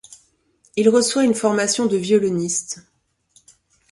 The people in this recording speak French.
Il reçoit une formation de violoniste.